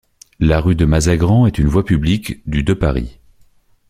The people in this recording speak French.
La rue de Mazagran est une voie publique du de Paris.